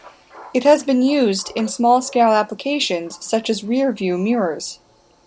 It has been used in small-scale applications such as rear-view mirrors.